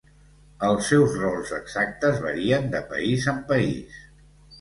Els seus rolls exactes varien de país en país.